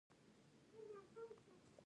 ښکار په لومړني شکل رامنځته شو.